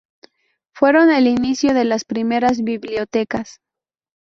Fueron el inicio de las primeras bibliotecas.